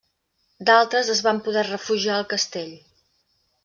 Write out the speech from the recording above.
D'altres es van poder refugiar al castell.